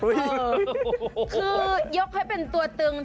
คือยกให้เป็นตัวตึง